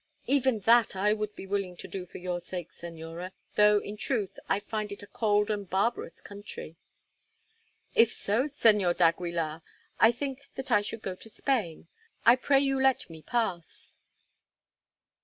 "Even that I would be willing to do for your sake Señora, though, in truth, I find it a cold and barbarous country." "If so, Señor d'Aguilar, I think that I should go to Spain. I pray you let me pass."